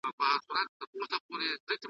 زه به ژوندی یم بهار به راسي ,